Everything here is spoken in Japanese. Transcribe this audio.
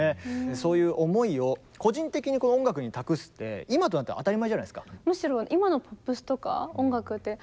そういう思いを個人的にこの音楽に託すって今となっては当たり前じゃないですか。